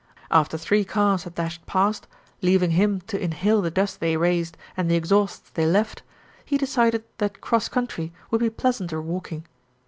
After three cars had dashed past, leaving him to inhale the dust they raised and the exhausts they left, he decided that cross country would be pleasanter walking.